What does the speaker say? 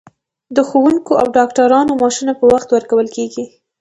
د ښوونکو او ډاکټرانو معاشونه په وخت ورکول کیږي.